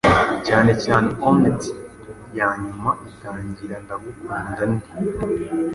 cyane cyane onnet ya nyuma, itangira, “Ndagukunda nte